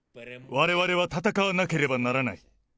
われわれは戦わなければならない。